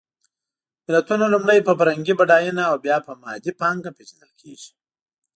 ملتونه لومړی په فرهنګي بډایېنه او بیا په مادي پانګه پېژندل کېږي.